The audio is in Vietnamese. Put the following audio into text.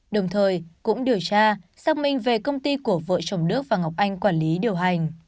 đồng thời cũng điều tra xác minh về công ty của vợ chồng đức và ngọc anh quản lý điều hành